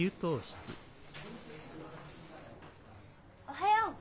おはよう。